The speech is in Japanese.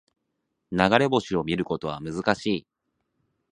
流れ星を見ることは難しい